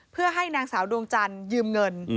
เพื่อให้นางสาวดวงจันทร์ยืมเงิน